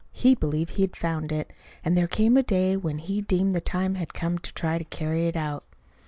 He believed he had found it; and there came a day when he deemed the time had come to try to carry it out.